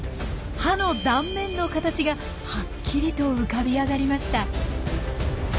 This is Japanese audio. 歯の断面の形がはっきりと浮かび上がりました。